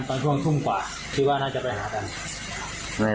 ตอนช่วงทุ่มกว่าคิดว่าน่าจะไปหากัน